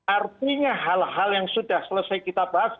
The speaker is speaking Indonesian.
artinya hal hal yang sudah selesai kita bahas